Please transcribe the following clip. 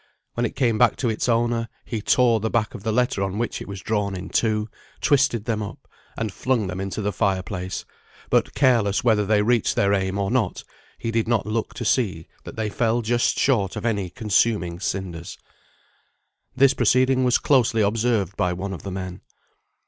When it came back to its owner he tore the back of the letter on which it was drawn, in two; twisted them up, and flung them into the fire place; but, careless whether they reached their aim or not, he did not look to see that they fell just short of any consuming cinders. This proceeding was closely observed by one of the men.